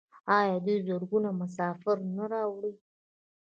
آیا دوی زرګونه مسافر نه راوړي؟